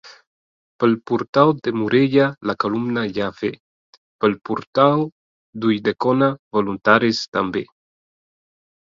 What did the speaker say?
Pel portal de Morella la columna ja ve; pel portal d'Ulldecona voluntaris també.